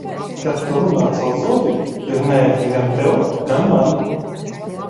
Kad tu runā caur zobiem, ir neērti gan tev, gan man.